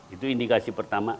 itu indikasi pertama